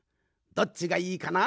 どっちがいいかな？